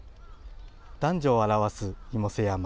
男女を表す妹背山。